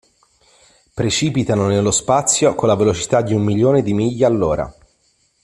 Precipitano nello spazio con la velocità di un milione di miglia all'ora.